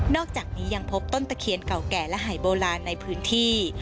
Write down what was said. อกจากนี้ยังพบต้นตะเคียนเก่าแก่และหายโบราณในพื้นที่